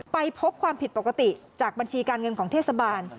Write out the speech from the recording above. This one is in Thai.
ไปพบความผิดปกติจากบัญชีการเงินของเทศบาล